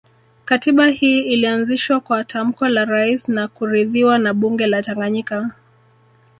Katiba hii ilianzishwa kwa tamko la Rais na kuridhiwa na bunge la Tanganyika